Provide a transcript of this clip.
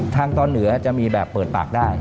ทางตอนเหนือจะมีแบบเปิดปากได้